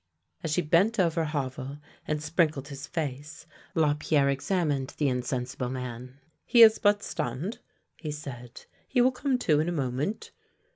As she bent over Havel and sprinkled his face, La pierre examined the insensible man. " He is but stunned," he said. " He will come to in a moment."